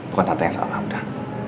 bukan tante yang salah udah